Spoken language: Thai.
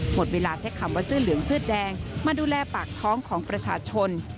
หมดเวลาใช้คำว่าเสื้อเหลืองเสื้อแดงมาดูแลปากท้องของประชาชน